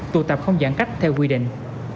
tụ tập không giãn cách theo quy định